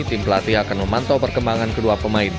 tim pelatih akan memantau perkembangan kedua pemain